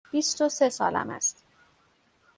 بیست و سه سالم است.